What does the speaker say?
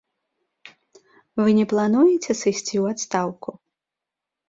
Вы не плануеце сысці ў адстаўку?